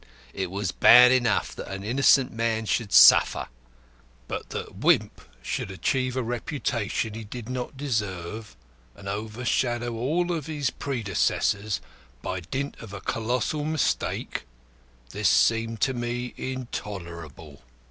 It was bad enough that an innocent man should suffer; but that Wimp should achieve a reputation he did not deserve, and over shadow all his predecessors by dint of a colossal mistake, this seemed to me intolerable.